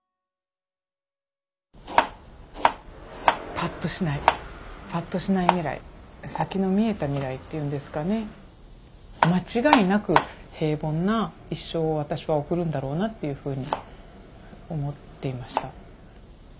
ぱっとしないぱっとしない未来先の見えた未来っていうんですかね間違いなく平凡な一生を私は送るんだろうなっていうふうに思っていました。